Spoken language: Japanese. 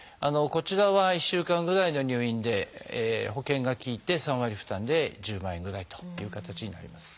こちらは１週間ぐらいの入院で保険が利いて３割負担で１０万円ぐらいという形になります。